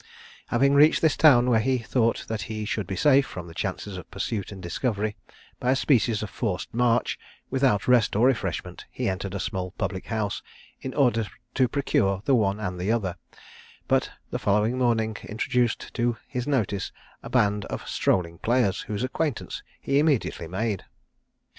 Having reached this town, where he thought that he should be safe from the chances of pursuit and discovery, by a species of forced march, without rest or refreshment, he entered a small public house in order to procure the one and the other; but the following morning introduced to his notice a band of strolling players, whose acquaintance he immediately made.